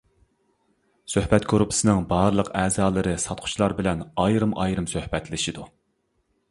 سۆھبەت گۇرۇپپىسىنىڭ بارلىق ئەزالىرى ساتقۇچىلار بىلەن ئايرىم-ئايرىم سۆھبەتلىشىدۇ.